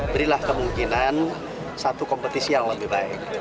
berilah kemungkinan satu kompetisi yang lebih baik